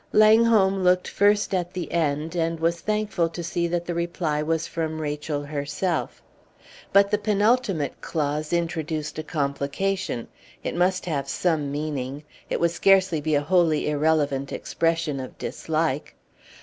Langholm looked first at the end, and was thankful to see that the reply was from Rachel herself. But the penultimate clause introduced a complication. It must have some meaning. It would scarcely be a wholly irrelevant expression of dislike.